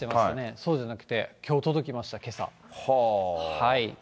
そうじゃなくて、きょう届きました、けさ。